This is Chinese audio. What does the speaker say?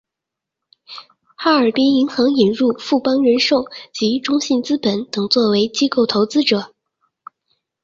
哈尔滨银行引入富邦人寿及中信资本等作为机构投资者。